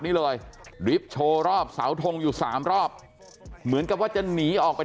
นี่เลยริบโชว์รอบเสาทงอยู่สามรอบเหมือนกับว่าจะหนีออกไป